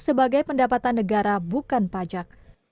sebagai pendapatan negara bukan pajak